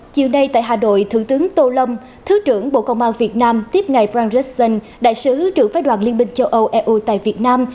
chiều nay tại hà đội thứ tướng tô lâm thứ trưởng bộ công an việt nam tiếp ngài brangresson đại sứ trưởng phái đoàn liên minh châu âu eu tại việt nam